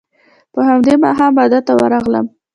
په همدې ماښام واده ته ورغلم.